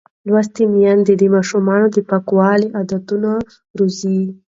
لوستې میندې د ماشوم د پاکوالي عادتونه روزي.